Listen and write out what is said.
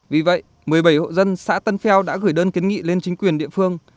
vì vậy một mươi bảy hộ dân xã tân pheo đã gửi đơn kiến nghị lên chính quyền địa phương